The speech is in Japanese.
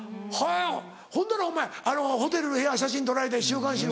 ほんならお前ホテルの部屋写真撮られて週刊誌に。